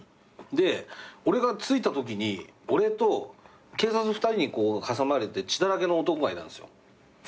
で俺が着いたときに俺と警察２人に挟まれて血だらけの男がいたんですよ。